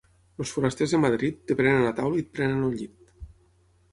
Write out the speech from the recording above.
Els forasters de Madrid et prenen la taula i et prenen el llit.